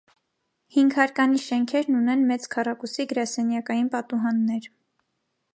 Հինգհարկանի շենքերն ունեն մեծ քառակուսի գրասենյակային պատուհաններ։